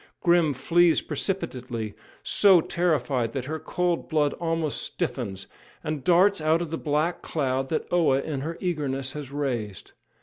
] Grim flees precipitately so terrified that her cold blood almost stiffens and darts out of the black cloud that Oa in her eagerness has raised.